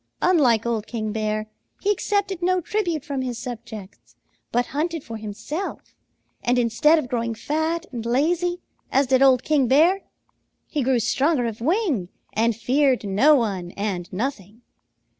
Unlike old King Bear, he accepted no tribute from his subjects but hunted for himself, and instead of growing fat and lazy, as did old King Bear, he grew stronger of wing and feared no one and nothing.